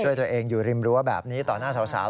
ช่วยตัวเองอยู่ริมรั้วแบบนี้ต่อหน้าสาว